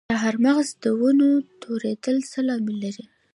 د چهارمغز د ونو توریدل څه لامل لري؟